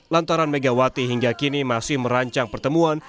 lantaran megawati hingga kini masih merancang pertemuan